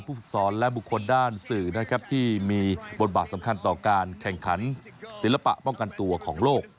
ฝึกสอนและบุคคลด้านสื่อนะครับที่มีบทบาทสำคัญต่อการแข่งขันศิลปะป้องกันตัวของโลก